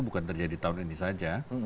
bukan terjadi tahun ini saja